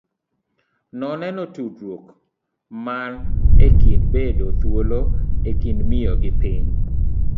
Noneno tudruok man e kind bedo thuolo e kind miyo gi piny.